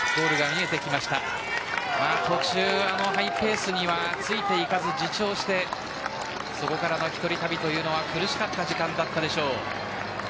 途中のハイペースに付いていかず自重してそこからの一人旅は苦しかった時間でしょう。